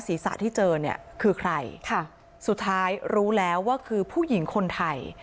ศีรษะที่เจอเนี่ยคือใครค่ะสุดท้ายรู้แล้วว่าคือผู้หญิงคนไทย